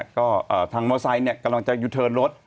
ก็ทางมอเตอร์ไซต์กำลังจะหยุดเทินรถ